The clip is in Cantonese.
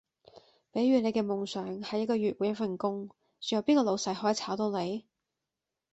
比如你嘅夢想係一個月換一份工，仲有邊個老細可以炒到你?